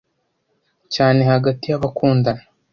cyane hagati y’abakundana.